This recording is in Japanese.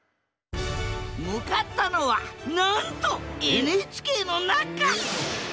向かったのはなんとＮＨＫの中！